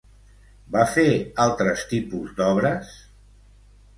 Va fer altres tipus d'obres?